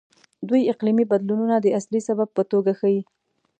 دوی اقلیمي بدلونونه د اصلي سبب په توګه ښيي.